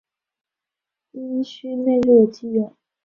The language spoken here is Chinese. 阴虚内热忌用。